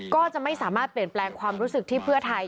ก็จะไม่สามารถเปลี่ยนแปลงความรู้สึกที่เพื่อไทย